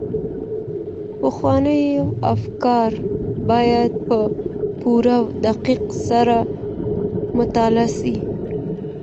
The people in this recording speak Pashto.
پخواني افکار بايد په پوره دقت سره مطالعه سي.